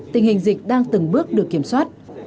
tình hình dịch đang từng bước được kiểm soát